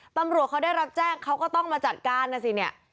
ตำรวจเขาได้รับแจ้งเขาก็ต้องมาจัดการนะสิเนี่ย